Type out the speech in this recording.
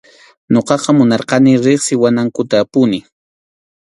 Ñuqaqa munarqani riqsiwanankutapuni.